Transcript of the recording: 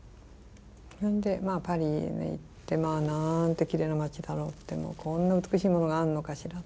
それでパリに行ってなんてきれいな街だろうってこんな美しいものがあるのかしらって。